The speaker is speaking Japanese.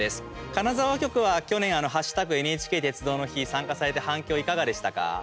金沢局は去年「＃ＮＨＫ鉄道の日」参加されて反響いかがでしたか。